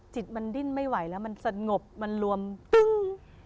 จิตมันดิ้นไม่ไหวแล้วมันสงบมันรวมตึ้ง